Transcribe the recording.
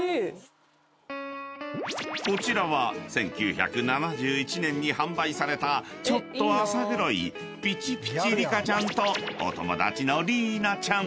［こちらは１９７１年に販売されたちょっと浅黒いピチピチリカちゃんとお友達のリーナちゃん］